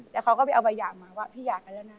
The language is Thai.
แล้วเขาก็ไปเอาใบหยาบมาว่าพี่หย่ากันแล้วนะ